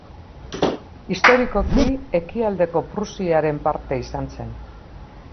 Historikoki Ekialdeko Prusiaren parte izan zen.